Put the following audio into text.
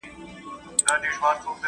که قطب نما وي نو سمت نه غلطیږي.